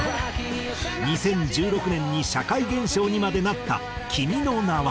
２０１６年に社会現象にまでなった『君の名は。』。